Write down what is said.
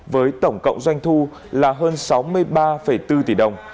với tổng cộng doanh thu là hơn sáu mươi ba bốn tỷ đồng